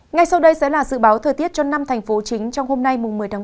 ngay sau đây sẽ là sự báo thời tiết cho năm thành phố chính trong hôm nay một mươi ba